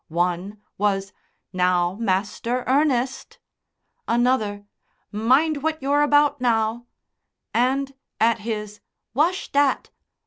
One was, "Now, Master Ernest!" Another: "Mind what you're about now!" And, at his "Wash dat!"